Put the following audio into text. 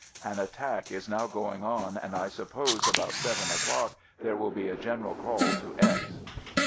An attack is now going on and I sup pose about seven o'clock there will be a general call to X